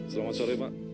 selamat sore pak